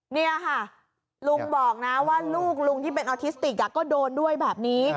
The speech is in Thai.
นี่ค่ะลุงบอกนะว่าลูกลุงที่เป็นออทิสติกก็โดนด้วยแบบนี้